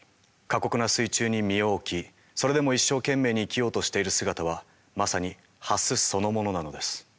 過酷な水中に身を置きそれでも一生懸命に生きようとしている姿はまさにハスそのものなのです。